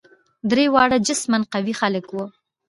درې واړه جسما قوي خلک وه.